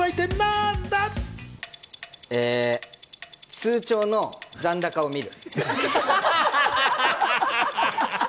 通帳の残高を見る。